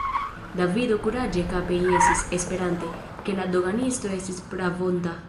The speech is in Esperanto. Davido kuraĝe kape jesis, esperante, ke la doganisto estis pravonta.